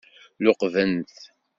Luqben-t.